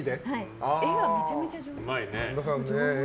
絵がめちゃめちゃ上手。